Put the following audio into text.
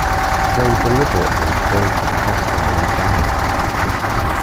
They deliberately created a hostile environment